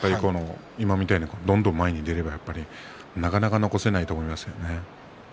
今みたいにどんどん前に出ればなかなか残せないと思いますね。